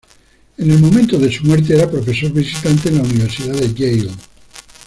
En el momento de su muerte era profesor visitante en la Universidad de Yale.